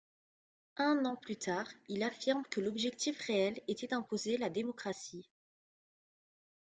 Un an plus tard, il affirme que l'objectif réel était d'imposer la démocratie.